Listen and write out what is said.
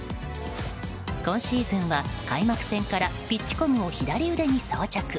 今シーズンは開幕戦からピッチコムを左腕に装着。